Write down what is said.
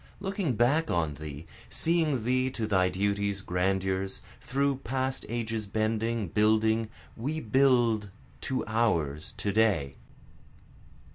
Looking back on thee, seeing thee to thy duties, grandeurs, through past ages bending, building, We build to ours to day.